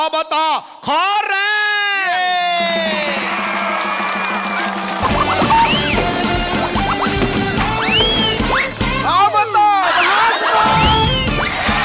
อบตขอแรง